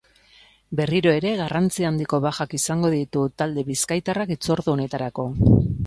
Berriro ere, garrantzi handiko bajak izango ditu talde bizkaitarrak hitzordu honetarako.